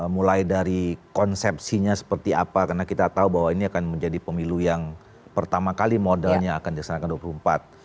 mulai dari konsepsinya seperti apa karena kita tahu bahwa ini akan menjadi pemilu yang pertama kali modalnya akan dilaksanakan dua puluh empat